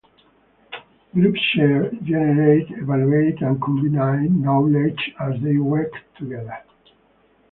Groups share, generate, evaluate, and combine knowledge as they work together.